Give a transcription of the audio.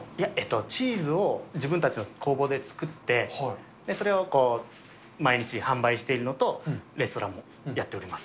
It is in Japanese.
チーズを自分たちの工房で作って、それを毎日販売しているのと、レストランもやっております。